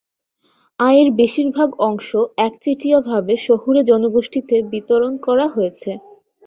আয়ের বেশিরভাগ অংশ একচেটিয়াভাবে শহুরে জনগোষ্ঠীতে বিতরণ করা হয়েছে।